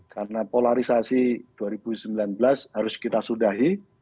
karena polarisasi dua ribu sembilan belas harus kita sudahi